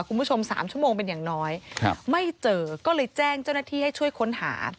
คุณผู้ชม๓ชั่วโมงเป็นอย่างน้อยไม่เจอก็เลยแจ้งเจ้าหน้าที่ให้ช่วยค้นหา